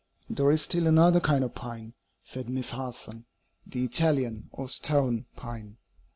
"There is still another kind of pine," said Miss Harson "the Italian, or stone, pine.